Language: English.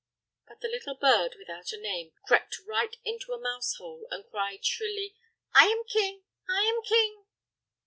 But the little bird without a name crept right into a mouse hole, and cried shrilly: "I am king! I am king!"